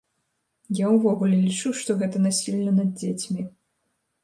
Я ўвогуле лічу, што гэта насілле над дзецьмі.